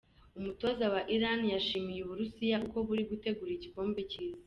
Umutoza wa Iran yashimiye u Burusiya uko buri gutegura igikombe cy'Isi.